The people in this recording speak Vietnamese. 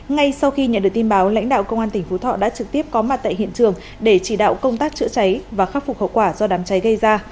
ngay sau khi nhận được tin báo lãnh đạo công an tỉnh phú thọ đã trực tiếp có mặt tại hiện trường để chỉ đạo công tác chữa cháy và khắc phục hậu quả do đám cháy gây ra